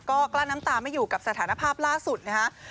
ก็กลั้นน้ำตาไม่อยู่กับสถานภาพล่าสุดนะฮะ